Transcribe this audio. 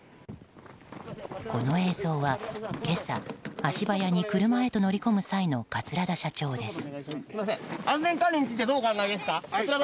この映像は、今朝足早に車へと乗り込む際の桂田社長です。